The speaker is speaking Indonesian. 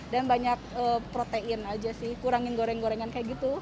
banyak protein aja sih kurangin goreng gorengan kayak gitu